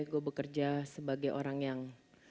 gue bekerja sebagai orang yang